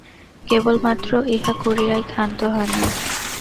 কেবলমাত্র ইহা করিয়াই ক্ষান্ত হয় না।